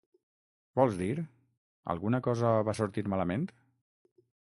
Vols dir, alguna cosa va sortir malament?